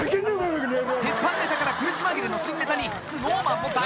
鉄板ネタから苦し紛れの新ネタにＳｎｏｗＭａｎも大爆笑！